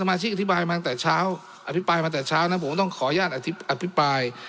มาชิกอธิบายมาตั้งแต่เช้าอภิปรายมาแต่เช้านะผมต้องขออนุญาตอภิปราย